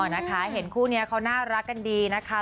นะคะเห็นคู่นี้เขาน่ารักกันดีนะคะ